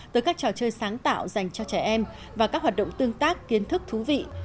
tới các trò chơi sáng tạo dành cho trẻ em và các hoạt động tương tác kiến thức thú vị